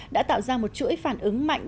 đã tạo ra một chuỗi phản ứng mạnh